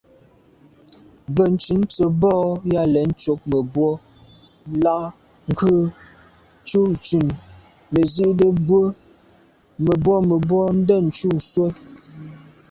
Bə̀nntʉ̌n tsə̀ bò yα̂ lɛ̌n ncob mə̀bwɔ lα ghʉ̌ cû ntʉ̀n nə̀ zi’tə bwə, mə̀bwɔ̂mə̀bwɔ ndɛ̂ncû nswə.